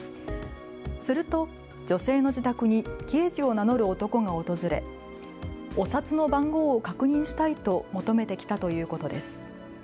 すると女性の自宅に刑事を名乗る男が訪れお札の番号を確認したいと求めてきたということです。